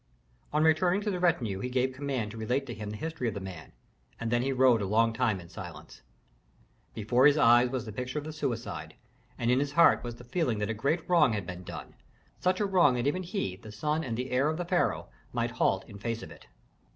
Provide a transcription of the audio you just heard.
On returning to the retinue he gave command to relate to him the history of the man, and then he rode a long time in silence. Before his eyes was the picture of the suicide, and in his heart was the feeling that a great wrong had been done, such a wrong that even he, the son and the heir of the pharaoh, might halt in face of it.